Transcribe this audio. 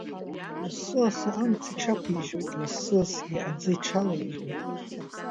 Лассы-лассы амца иҽақәижьуеит, лассы-лассгьы аӡы иҽалаижьуеит.